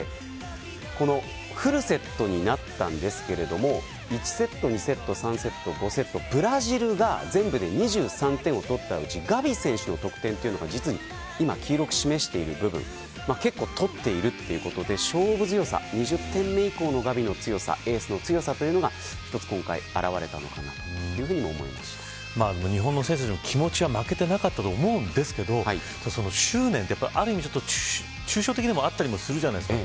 フルセットになったんですけれども１５セットでブラジルが全部で２３点取ったうちガビ選手の得点が今、黄色く示している部分結構取っているということで２０点目以降のガビの強さエースの強さが今回日本の選手たちも気持ちは負けてなかったと思うんですけど執念って、ある意味抽象的でもあったりもするじゃないですか。